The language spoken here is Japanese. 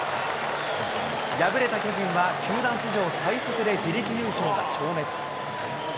敗れた巨人は、球団史上最速で自力優勝が消滅。